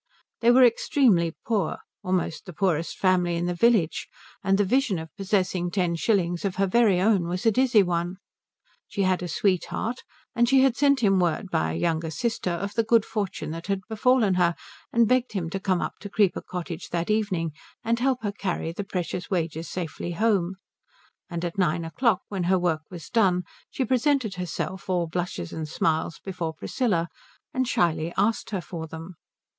They were extremely poor; almost the poorest family in the village, and the vision of possessing ten shillings of her very own was a dizzy one. She had a sweetheart, and she had sent him word by a younger sister of the good fortune that had befallen her and begged him to come up to Creeper Cottage that evening and help her carry the precious wages safely home; and at nine o'clock when her work was done she presented herself all blushes and smiles before Priscilla and shyly asked her for them.